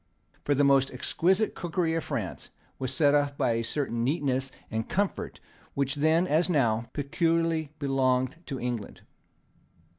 For there the most exquisite cookery of France was set off by a certain neatness and comfort which then, as now, peculiarly belonged to England.